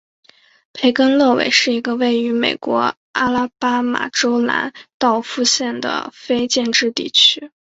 培根勒韦是一个位于美国阿拉巴马州兰道夫县的非建制地区。